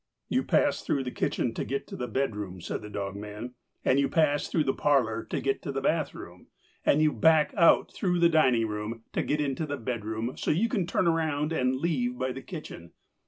"You pass through the kitchen to get to the bedroom," said the dogman, "and you pass through the parlour to get to the bath room, and you back out through the dining room to get into the bedroom so you can turn around and leave by the kitchen.